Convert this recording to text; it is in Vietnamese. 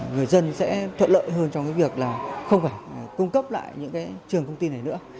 người dân sẽ thuận lợi hơn trong việc không phải cung cấp lại những trường thông tin này nữa